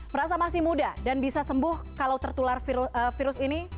merasa masih muda dan bisa sembuh kalau tertular virus ini